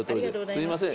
すいません。